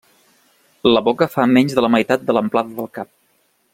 La boca fa menys de la meitat de l'amplada del cap.